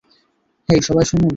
হেই, সবাই শুনুন?